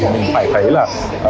thì mình phải thấy là